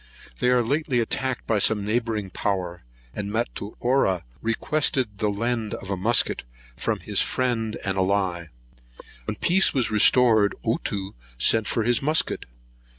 They were lately attacked by some neighbouring power, and Matuara requested the lend of a musket from his friend and ally. When peace was restored, Ottoo sent for his musket.